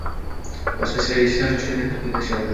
Pochtachilar eshikdan shoshgancha kirib-chiqishardi